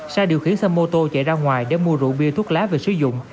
sa điều khiển xe mô tô chạy ra ngoài để mua rượu bia thuốc lá về sử dụng